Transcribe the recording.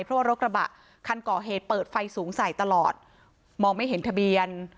เพราะว่ารถกระบะคันก่อเหตุเปิดไฟสูงใส่ตลอดมองไม่เห็นทะเบียน